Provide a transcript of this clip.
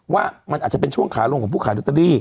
ว่ามันอาจจะเป็นช่วงขาลงของผู้ขายลอตเตอรี่